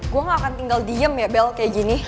gue gak akan tinggal diem ya bel kayak gini